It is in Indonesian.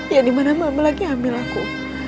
ya dimana mama lagi ambil aku